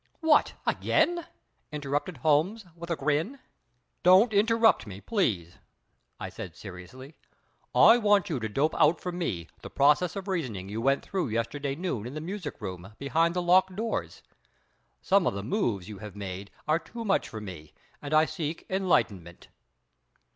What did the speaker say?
"What! Again?" interrupted Holmes, with a grin. "Don't interrupt me, please," I said seriously. "I want you to dope out for me the process of reasoning you went through yesterday noon in the music room behind the locked doors. Some of the moves you have made are too many for me, and I seek enlightenment."